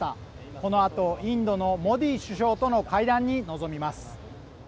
その後、インドのモディ首相との会談に臨みます。